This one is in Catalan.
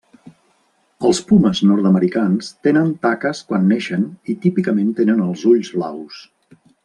Els pumes nord-americans tenen taques quan neixen i típicament tenen els ulls blaus.